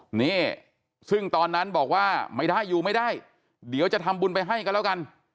นี่ซึ่งตอนนั้นบอกว่าไม่ได้อยู่ไม่ได้เดี๋ยวจะทำบุญไปให้กันแล้วกัน